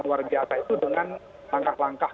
luar biasa itu dengan langkah langkah